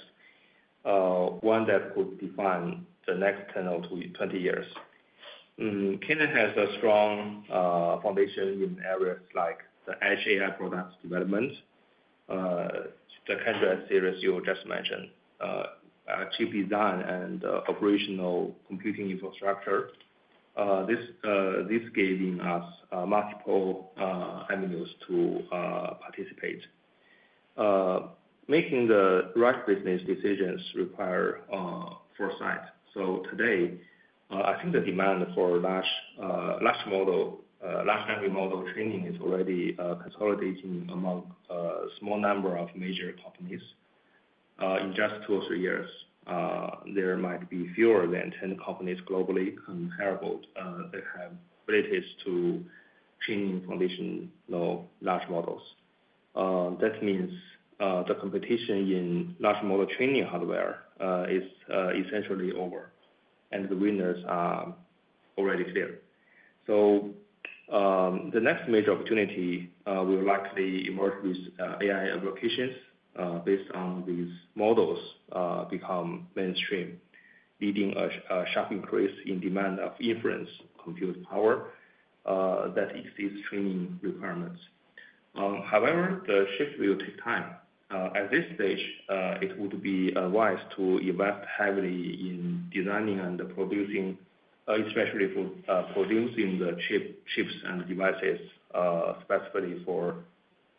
one that could define the next 10 or 20 years? Canaan has a strong foundation in areas like the edge AI product development, the Kendryte series you just mentioned, chip design, and operational computing infrastructure. This gave us multiple avenues to participate. Making the right business decisions requires foresight. Today, I think the demand for large language model training is already consolidating among a small number of major companies. In just two or three years, there might be fewer than 10 companies globally comparable that have abilities to train large language models. That means the competition in large model training hardware is essentially over, and the winners are already clear. So the next major opportunity will likely emerge with AI applications based on these models becoming mainstream, leading a sharp increase in demand of inference compute power that exceeds training requirements. However, the shift will take time. At this stage, it would be wise to invest heavily in designing and producing, especially for producing the chips and devices specifically for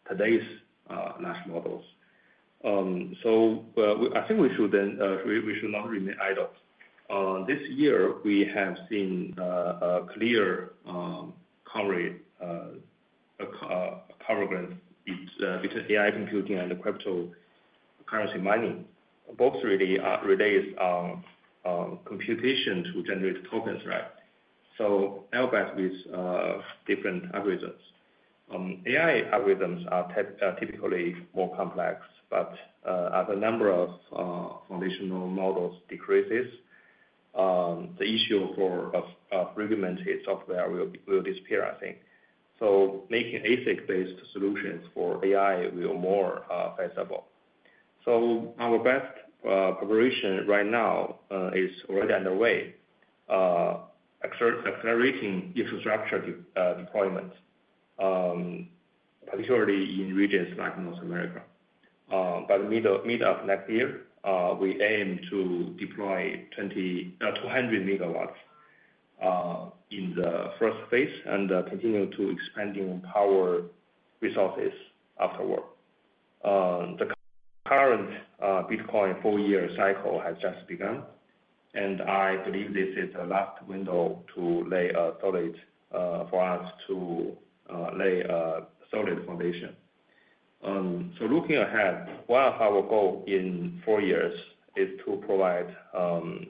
today's large models. So I think we should not remain idle. This year, we have seen a clear coverage between AI computing and cryptocurrency mining. Both really relate on computation to generate tokens, right? So now back with different algorithms. AI algorithms are typically more complex, but as the number of foundational models decreases, the issue for regulated software will disappear, I think. So making ASIC-based solutions for AI will be more feasible. Our best preparation right now is already underway, accelerating infrastructure deployment, particularly in regions like North America. By the middle of next year, we aim to deploy 200 megawatts in the first phase and continue to expand power resources afterward. The current Bitcoin four-year cycle has just begun, and I believe this is the last window to lay a solid foundation. Looking ahead, one of our goals in four years is to provide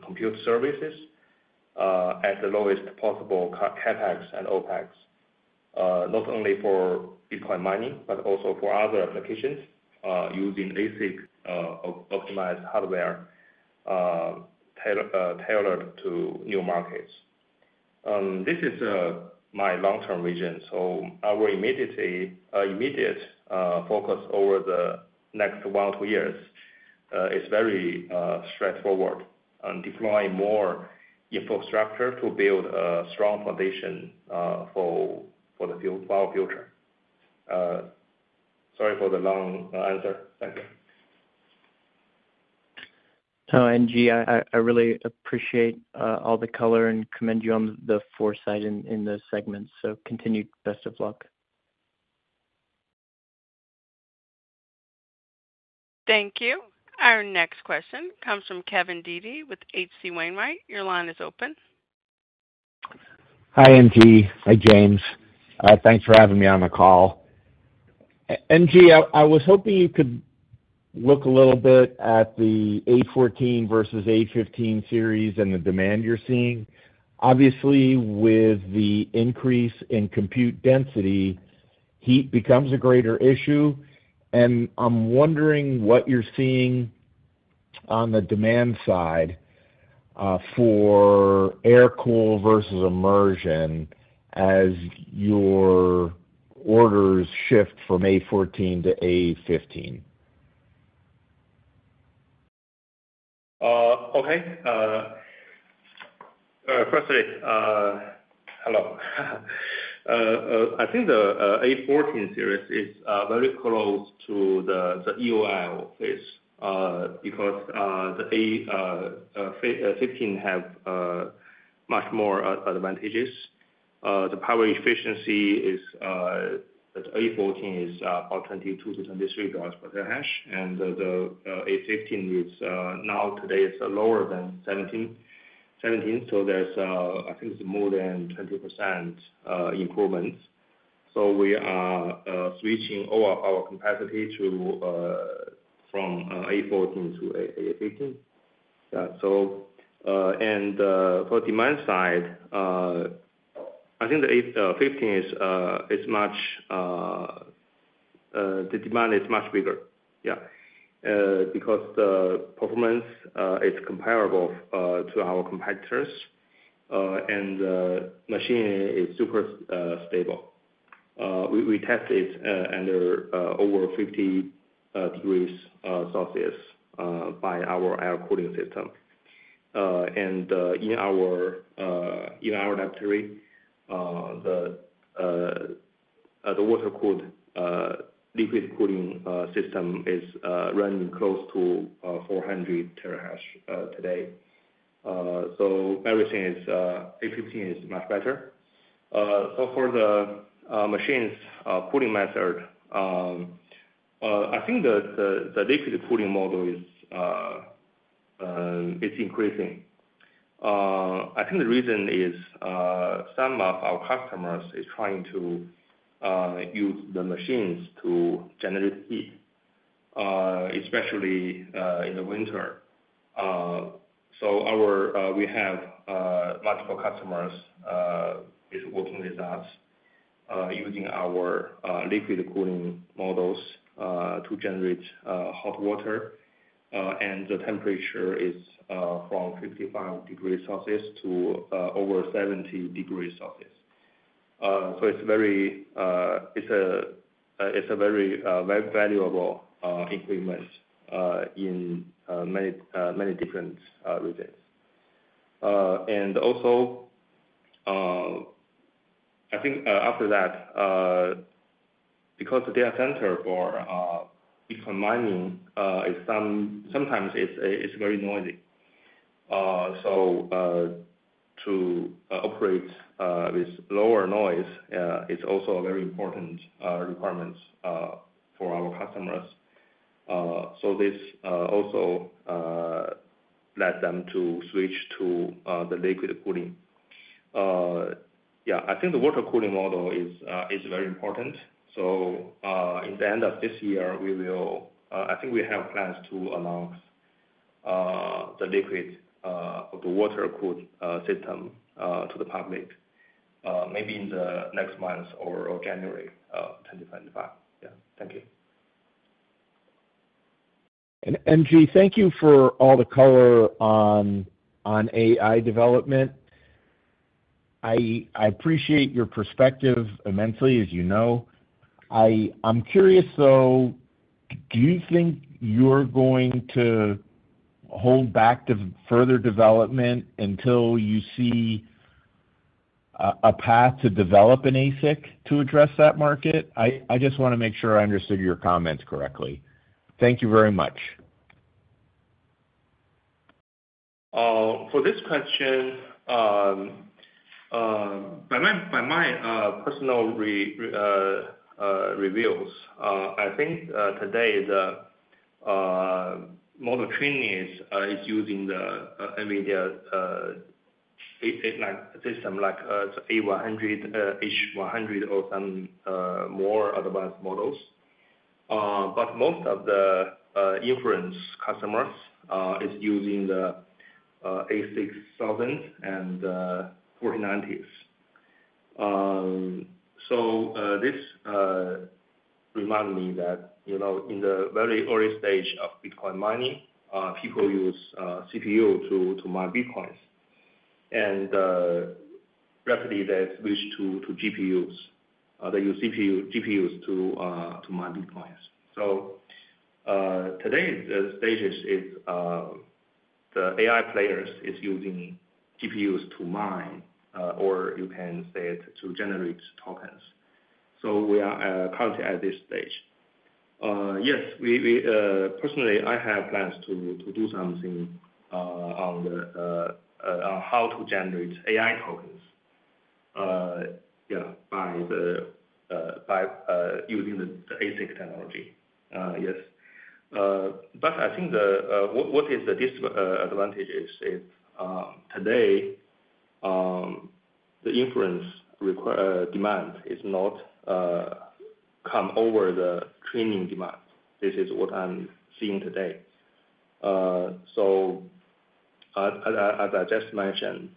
compute services at the lowest possible CapEx and OpEx, not only for Bitcoin mining, but also for other applications using ASIC-optimized hardware tailored to new markets. This is my long-term vision. Our immediate focus over the next one or two years is very straightforward: deploying more infrastructure to build a strong foundation for the far future. Sorry for the long answer. Thank you. NG, I really appreciate all the color and commend you on the foresight in the segments. So continued best of luck. Thank you. Our next question comes from Kevin Dede with H.C. Wainwright. Your line is open. Hi, NG. Hi, James. Thanks for having me on the call. NG, I was hoping you could look a little bit at the A14 versus A15 series and the demand you're seeing. Obviously, with the increase in compute density, heat becomes a greater issue. And I'm wondering what you're seeing on the demand side for air cool versus immersion as your orders shift from A14 to A15. Okay. Firstly, hello. I think the A14 series is very close to the EOL phase because the A15 has much more advantages. The power efficiency is that A14 is about $22 to $23 per terahash, and the A15 is now today lower than 17. There's, I think, more than 20% improvements. We are switching all of our capacity from A14 to A15. Yeah. For demand side, I think the A15 is much the demand is much bigger, yeah, because the performance is comparable to our competitors, and the machine is super stable. We test it under over 50 degrees Celsius by our air cooling system. In our laboratory, the water-cooled liquid cooling system is running close to 400 terahash today. Everything is A15 is much better. For the machine's cooling method, I think the liquid cooling model is increasing. I think the reason is some of our customers are trying to use the machines to generate heat, especially in the winter. So we have multiple customers working with us using our liquid cooling models to generate hot water, and the temperature is from 55 degrees Celsius to over 70 degrees Celsius. So it's a very valuable equipment in many different regions. And also, I think after that, because the data center for Bitcoin mining sometimes is very noisy. So to operate with lower noise, it's also a very important requirement for our customers. So this also led them to switch to the liquid cooling. Yeah. I think the water cooling model is very important. So in the end of this year, I think we have plans to announce the liquid or the water-cooled system to the public maybe in the next month or January 2025. Yeah. Thank you. NG, thank you for all the color on AI development. I appreciate your perspective immensely, as you know. I'm curious, though. Do you think you're going to hold back further development until you see a path to develop an ASIC to address that market? I just want to make sure I understood your comments correctly. Thank you very much. For this question, by my personal reviews, I think today the model training is using the NVIDIA system like A100, H100, or some more advanced models. But most of the inference customers are using the A6000 and 4090s. So this reminds me that in the very early stage of Bitcoin mining, people used CPUs to mine Bitcoins, and rapidly they switched to GPUs. They used GPUs to mine Bitcoins. So today's stage is the AI players are using GPUs to mine, or you can say it, to generate tokens. So we are currently at this stage. Yes, personally, I have plans to do something on how to generate AI tokens, yeah, by using the ASIC technology. Yes. But I think what is the disadvantage is today the inference demand has not come over the training demand. This is what I'm seeing today. So as I just mentioned,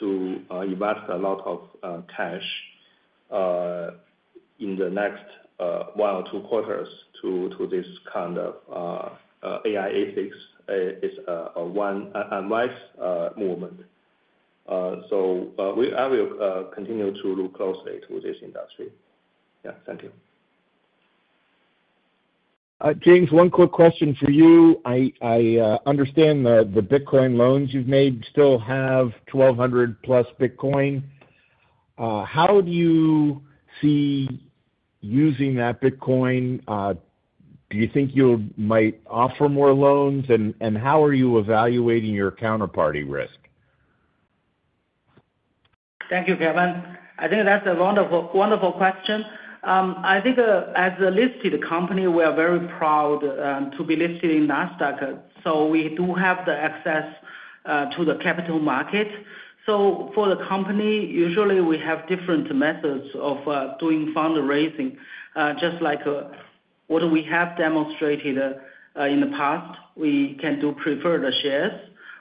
to invest a lot of cash in the next one or two quarters to this kind of AI ASICs is a wise movement. So I will continue to look closely to this industry. Yeah. Thank you. James, one quick question for you. I understand the Bitcoin loans you've made still have 1,200+ Bitcoin. How do you see using that Bitcoin? Do you think you might offer more loans? And how are you evaluating your counterparty risk? Thank you, Kevin. I think that's a wonderful question. I think as a listed company, we are very proud to be listed in Nasdaq. So we do have the access to the capital market. So for the company, usually we have different methods of doing fundraising, just like what we have demonstrated in the past. We can do preferred shares.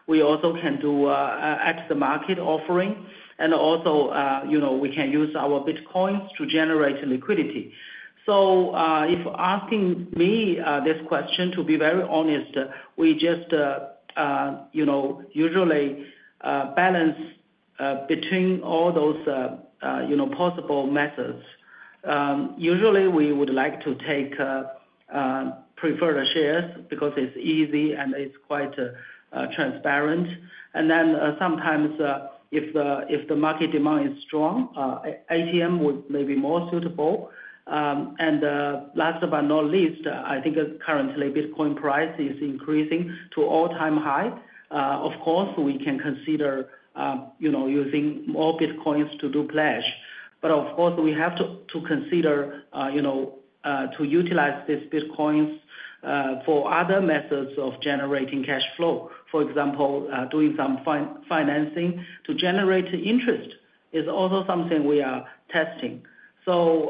We also can do at-the-market offering. And also, we can use our Bitcoins to generate liquidity. So if you're asking me this question, to be very honest, we just usually balance between all those possible methods. Usually, we would like to take preferred shares because it's easy and it's quite transparent. And then sometimes if the market demand is strong, ATM would maybe be more suitable. And last but not least, I think currently Bitcoin price is increasing to all-time high. Of course, we can consider using more Bitcoins to do pledge. But of course, we have to consider to utilize these Bitcoins for other methods of generating cash flow. For example, doing some financing to generate interest is also something we are testing. So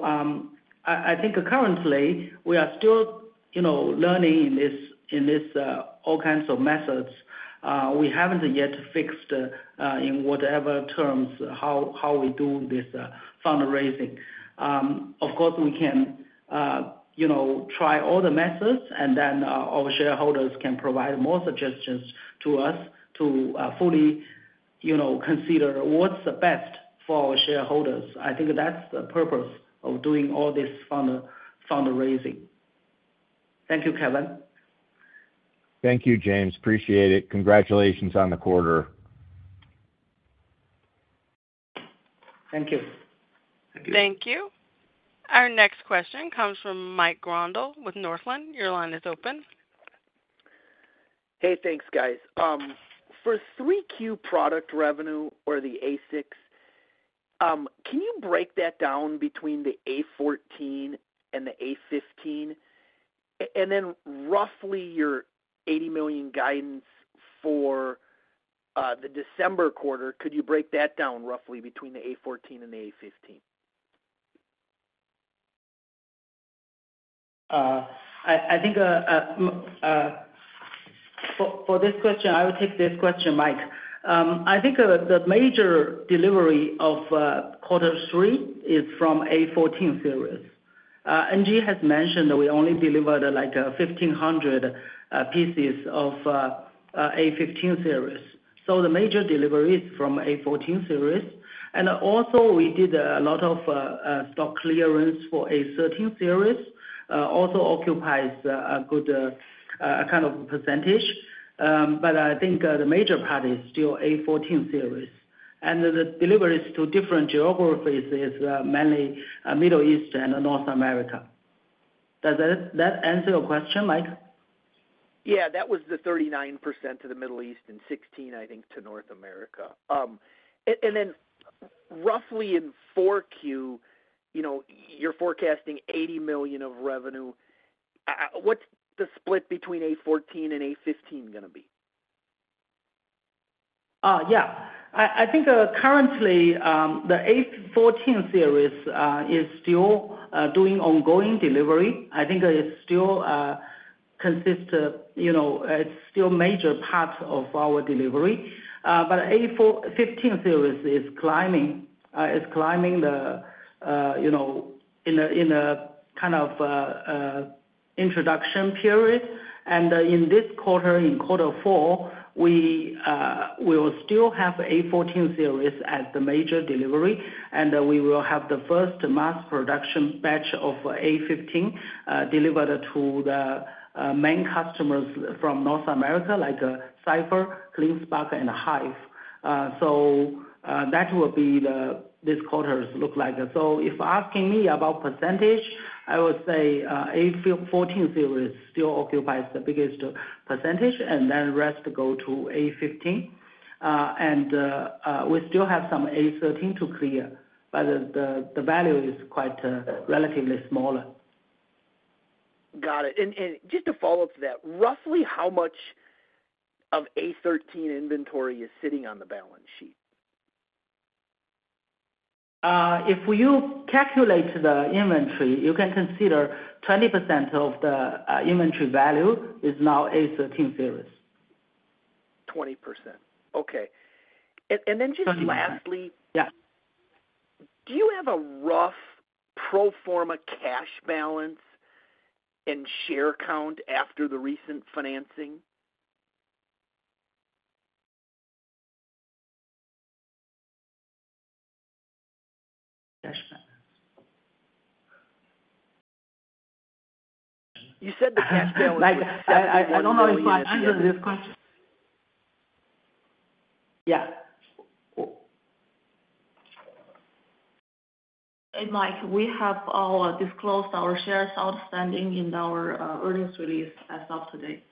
I think currently we are still learning in these all kinds of methods. We haven't yet fixed in whatever terms how we do this fundraising. Of course, we can try all the methods, and then our shareholders can provide more suggestions to us to fully consider what's the best for our shareholders. I think that's the purpose of doing all this fundraising. Thank you, Kevin. Thank you, James. Appreciate it. Congratulations on the quarter. Thank you. Thank you. Our next question comes from Mike Grondahl with Northland. Your line is open. Hey, thanks, guys. For 3Q product revenue or the ASICs, can you break that down between the A14 and the A15? And then, roughly, your $80 million guidance for the December quarter. Could you break that down roughly between the A14 and the A15? I think for this question, I will take this question, Mike. I think the major delivery of quarter three is from A14 series. NG has mentioned that we only delivered like 1,500 pieces of A15 series. So the major delivery is from A14 series. And also we did a lot of stock clearance for A13 series. Also occupies a good kind of percentage. But I think the major part is still A14 series. And the deliveries to different geographies is mainly Middle East and North America. Does that answer your question, Mike? Yeah. That was the 39% to the Middle East and 16%, I think, to North America. And then roughly in 4Q, you're forecasting $80 million of revenue. What's the split between A14 and A15 going to be? Yeah. I think currently the A14 series is still doing ongoing delivery. I think it still consists of; it's still a major part of our delivery. But A15 series is climbing then in a kind of introduction period. And in this quarter, in quarter four, we will still have A14 series as the major delivery. And we will have the first mass production batch of A15 delivered to the main customers from North America like Cipher, CleanSpark, and HIVE. So that will be this quarter's look like. So if you're asking me about percentage, I would say A14 series still occupies the biggest percentage, and then the rest go to A15. And we still have some A13 to clear, but the value is quite relatively smaller. Got it. And just to follow up to that, roughly how much of A13 inventory is sitting on the balance sheet? If you calculate the inventory, you can consider 20% of the inventory value is now A13 series. 20%. Okay. And then just lastly. Yeah. Do you have a rough pro forma cash balance and share count after the recent financing? You said the cash balance. I don't know if you understood this question. Yeah. Mike, we have all disclosed our shares outstanding in our earnings release as of today.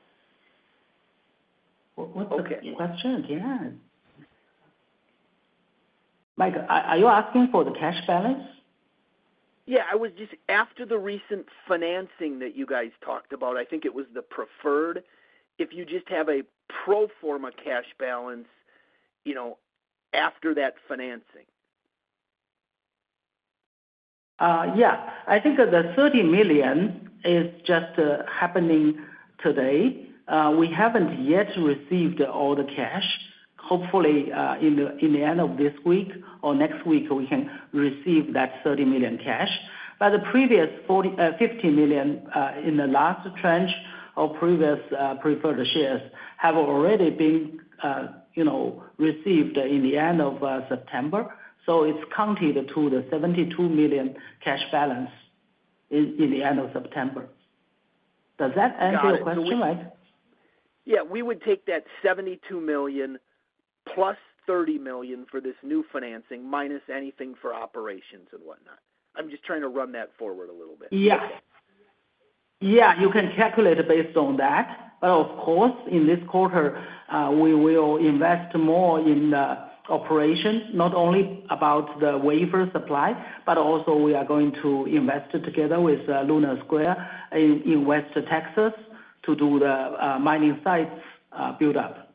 What's the question? Yeah. Mike, are you asking for the cash balance? Yeah. I was just after the recent financing that you guys talked about. I think it was the preferred. If you just have a pro forma cash balance after that financing. Yeah. I think the $30 million is just happening today. We haven't yet received all the cash. Hopefully, in the end of this week or next week, we can receive that $30 million cash. But the previous $50 million in the last tranche of previous preferred shares have already been received in the end of September. So it's counted to the $72 million cash balance in the end of September. Does that answer your question, Mike? Yeah. We would take that $72 million plus $30 million for this new financing minus anything for operations and whatnot. I'm just trying to run that forward a little bit. Yeah. Yeah. You can calculate based on that. But of course, in this quarter, we will invest more in the operation, not only about the wafer supply, but also we are going to invest together with Luna Squares in West Texas to do the mining site build-up.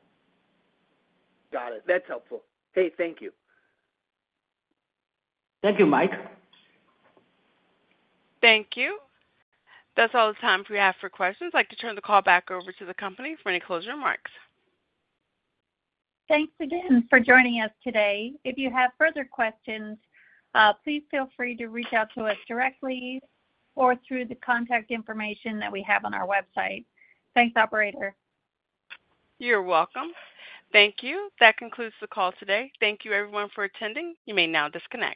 Got it. That's helpful. Hey, thank you. Thank you, Mike. Thank you. That's all the time we have for questions. I'd like to turn the call back over to the company for any closing remarks. Thanks again for joining us today. If you have further questions, please feel free to reach out to us directly or through the contact information that we have on our website. Thanks, operator. You're welcome. Thank you. That concludes the call today. Thank you, everyone, for attending. You may now disconnect.